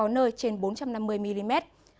nơi trên bốn trăm năm mươi mm